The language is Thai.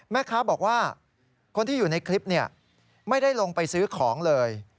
แม่ค้าบอกว่าคนที่อยู่ในคลิปไม่ได้ลงไปซื้อของเลย